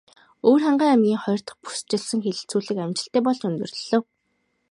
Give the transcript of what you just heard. Өвөрхангай аймгийн хоёр дахь бүсчилсэн хэлэлцүүлэг амжилттай болж өндөрлөлөө.